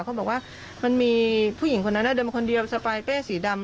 เขาบอกว่ามันมีผู้หญิงคนนั้นเดินมาคนเดียวสปายเป้สีดำ